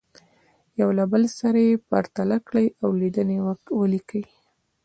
یو له بل سره یې پرتله کړئ او لیدنې ولیکئ.